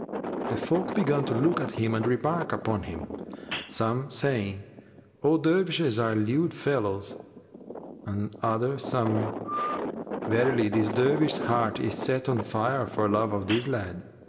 The folk began to look at him and remark upon him, some saying, "All Dervishes are lewd fellows," and other some, "Verily, this Dervish's heart is set on fire for love of this lad."